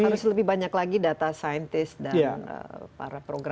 harus lebih banyak lagi data saintis dan para program